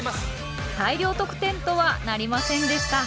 大量得点とはなりませんでした。